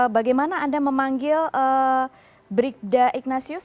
bagaimana anda memanggil brigda ignatius